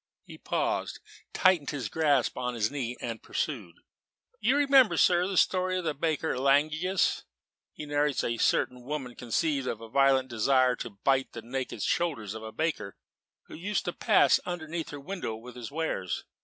He paused, tightened his grasp on his knee, and pursued. "You remember, sir, the story of the baker in Langius? He narrates that a certain woman conceived a violent desire to bite the naked shoulders of a baker who used to pass underneath her window with his wares.